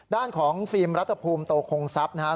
ด้านของฟิล์มรัฐภูมิโตคงทรัพย์นะครับ